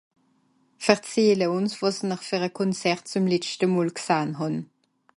verzähle ùns wàs nr ver à Kònzert zum letschte mòl g'sahn hàn